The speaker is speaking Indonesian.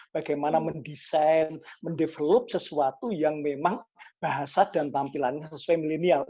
bagaimana mendesain mendevelop sesuatu yang memang bahasa dan tampilannya sesuai milenial